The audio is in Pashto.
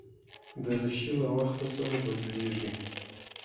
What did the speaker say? دریشي له وخت سره بدلېږي.